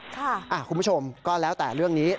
คุณผู้ชมก็แล้วแต่เรื่องนี้